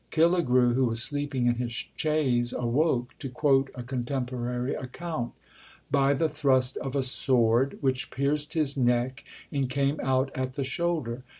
Killigrew, who was sleeping in his chaise, awoke, to quote a contemporary account, "by the thrust of a sword which pierced his neck and came out at the shoulder.